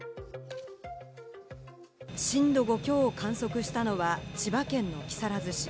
震度５強を観測したのは千葉県の木更津市。